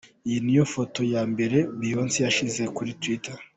Iyi niyo foto ya mbere Beyonce yashyize kuri twitter.